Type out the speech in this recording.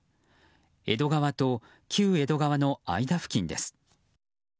江戸川と旧江戸川の間付近です。